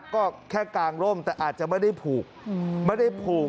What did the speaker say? ก็แค่กางร่มแต่อาจจะไม่ได้ผูกไม่ได้ผูก